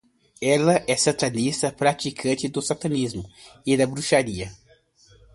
Ela é satanista, praticante do satanismo e da bruxaria